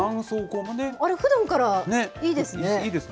あれ、ふだんからいいですね。